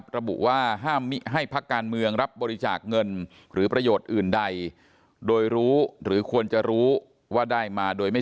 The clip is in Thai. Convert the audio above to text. ระบุว่าห้ามให้พักการเมืองรับบริจาคเงินหรือประโยชน์อื่นใด